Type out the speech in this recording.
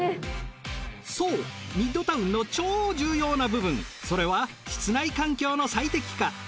そうミッドタウンの超重要な部分それは室内環境の最適化。